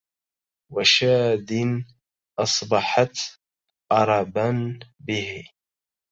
وشادن أصبحت أربا به